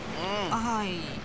はい。